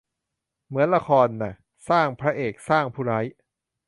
เหมือนละครน่ะ สร้างพระเอก สร้างผู้ร้าย